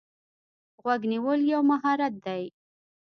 غوږ نیول یو مهارت دی.